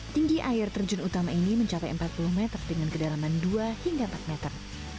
tinggi air terjun utama ini mencapai empat puluh meter dengan kedalaman dua hingga empat meter